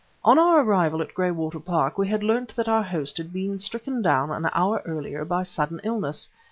On our arrival at Graywater Park we had learnt that our host had been stricken down an hour earlier by sudden illness.